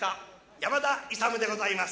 山田勇でございます。